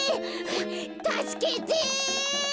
たすけて！